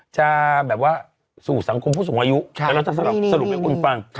จะแบบว่าสู่สังคมผู้สูงอายุแล้วเราจะสรุปให้คุณฟัง